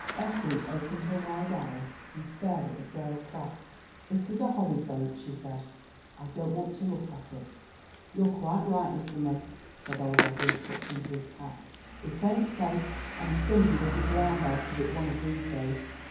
Effie opened her wide eyes, and stared at the frail craft. "It is a horrid boat," she said; "I don't want to look at it." "You're quite right, little miss," said old Edward, touching his cap. "It ain't safe, and somebody will be drowned out of it one of these days.